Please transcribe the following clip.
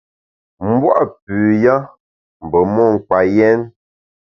M’bua’ pü ya mbe mon kpa yèn.